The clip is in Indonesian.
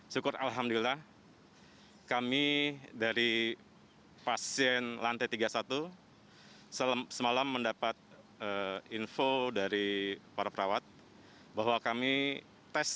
syukur alhamdulillah kami dari pasien lantai tiga puluh satu semalam mendapat info dari para perawat bahwa kami tes